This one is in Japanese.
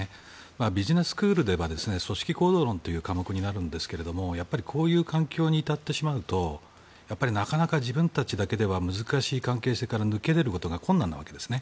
ビジネススクールでは組織行動論という科目になるんですがやはりこういう環境に至ってしまうとなかなか自分たちだけでは難しい関係性から抜け出ることが困難なわけですね。